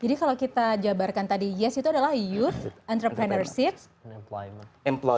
jadi kalau kita jabarkan tadi yes itu adalah youth entrepreneurship